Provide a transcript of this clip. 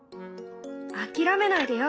諦めないでよ！